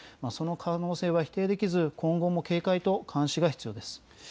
その可能性は否定できず、今後も警戒と監視が必要です。